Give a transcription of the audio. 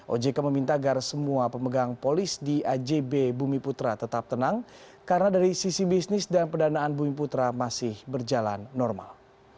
ojk meminta agar semua pemegang polis di ajb bumi putra tetap tenang karena dari sisi bisnis dan pendanaan bumi putra masih berjalan normal